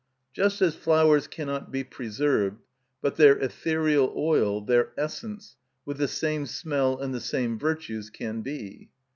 Just as flowers cannot be preserved, but their ethereal oil, their essence, with the same smell and the same virtues, can be.